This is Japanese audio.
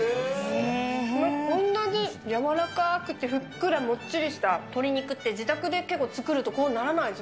こんなに柔らかくてふっくらもっちりした鶏肉って自宅で結構作るとこうならないです。